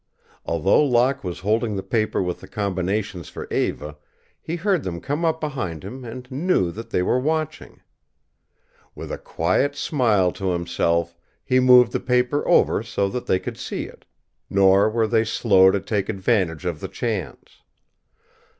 Although Locke was holding the paper with the combinations for Eva, he heard them come up behind him and knew that they were watching. With a quiet smile to himself he moved the paper over so that they could see it, nor were they slow to take advantage of the chance.